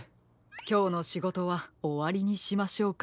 きょうのしごとはおわりにしましょうか。